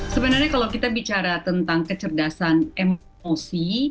sebenarnya kalau kita bicara tentang kecerdasan emosi